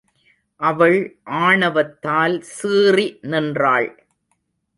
அவள் ஆணவத்தால் சீறி நின்றாள்.